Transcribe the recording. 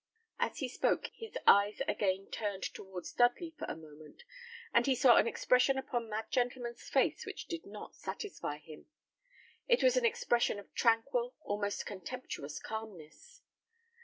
As he spoke, his eyes again turned towards Dudley for a moment, and he saw an expression upon that gentleman's face which did not satisfy him. It was an expression of tranquil, almost contemptuous calmness.